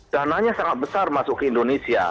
dananya sangat besar masuk ke indonesia